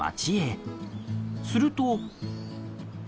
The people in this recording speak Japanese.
すると。